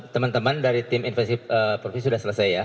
teman teman dari tim investif provinsi sudah selesai ya